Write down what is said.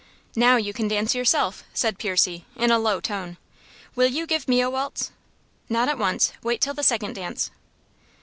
"Now you can dance yourself," said Percy, in a low tone. "Will you give me a waltz?" "Not at once. Wait till the second dance."